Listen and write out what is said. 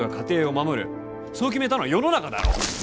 そう決めたのは世の中だろ。